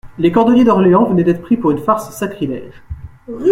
Les cordeliers d'Orléans venaient d'être pris pour une farce sacrilége.